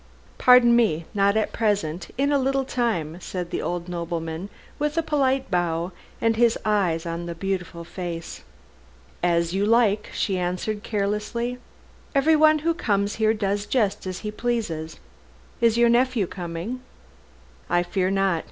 "Pardon me, not at present: in a little time," said the old nobleman, with a polite bow and his eyes on the beautiful face. "As you like," she answered carelessly; "everyone who comes here does just as he pleases. Is your nephew coming?" "I fear not.